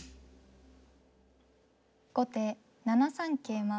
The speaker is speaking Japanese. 後手７三桂馬。